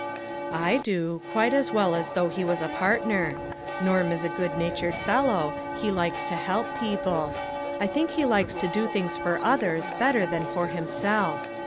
" I do ; quite as well as though he was a part ner. Norm is a good natured fellow ; he likes to help people. I think he likes to do things for others better than for himself.